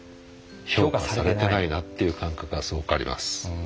評価されてないなっていう感覚がすごくあります。